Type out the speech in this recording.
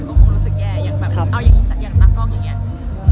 ก็คงรู้สึกแย่เช่นตากล้องอย่างมี